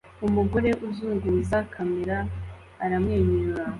Umugore uzunguza kamera aramwenyura